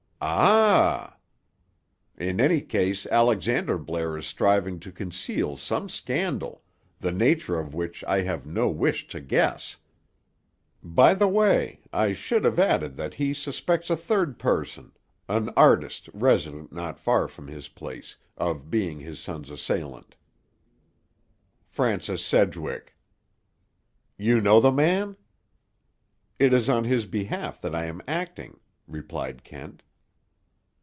"Ah? In any case, Alexander Blair is striving to conceal some scandal, the nature of which I have no wish to guess. By the way, I should have added that he suspects a third person, an artist, resident not far from his place, of being his son's assailant." "Francis Sedgwick." "You know the man?" "It is on his behalf that I am acting," replied Kent.